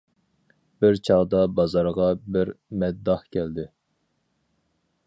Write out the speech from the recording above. بىر چاغدا بازارغا بىر مەدداھ كەلدى.